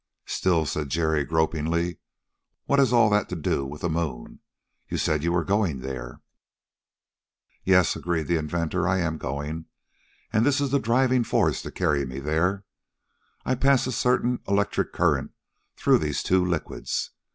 "Still," said Jerry, gropingly, "what has all that to do with the moon? You said you were going there." "Yes," agreed the inventor. I am going, and this is the driving force to carry me there. I pass a certain electric current through these two liquids.